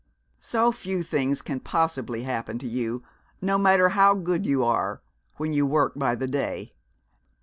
So few things can possibly happen to you, no matter how good you are, when you work by the day.